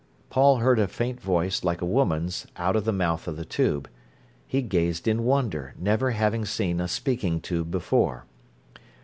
Paul heard a faint voice, like a woman's, out of the mouth of the tube. He gazed in wonder, never having seen a speaking tube before.